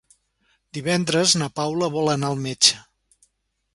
Divendres na Paula vol anar al metge.